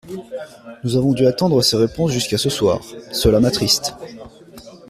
Nous avons dû attendre ces réponses jusqu’à ce soir : cela m’attriste.